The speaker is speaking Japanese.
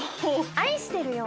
「愛してるよ」。